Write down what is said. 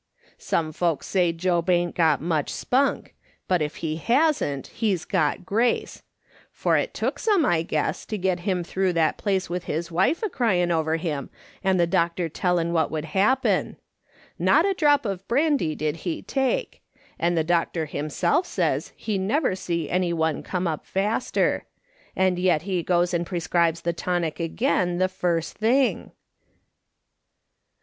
' Some folks say Job ain't got much spunk ; but if he hasn't he's got grace ; for it took some, I guess, to get him through that place with his wife a crying over him and the doctor telling what would happen. Not a drop of brandy did he take ; and the doctor himself says he never see any one come up faster ; and yet he goes and prescribes the tonic again the first thing